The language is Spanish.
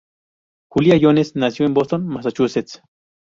Julia Jones nació en Boston, Massachusetts.